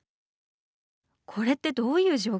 これってどういう状況？